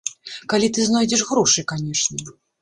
Калі ты знойдзеш грошы, канешне!